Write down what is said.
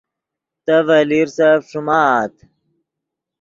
تے ڤے لیرسف ݯیمآت